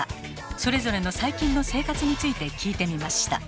それぞれの最近の生活について聞いてみました。